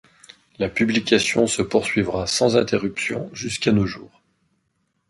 La publication se poursuivra sans interruption jusqu'à nos jours.